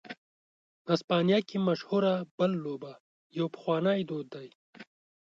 اسپانیا کې مشهوره "بل" لوبه یو پخوانی دود دی.